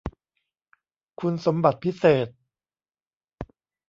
คุณสมบัติพิเศษ